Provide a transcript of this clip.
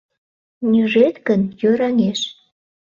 - Нӱжет гын, йораҥеш.